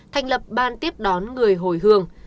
thành lập ban tiếp đón người hồi hương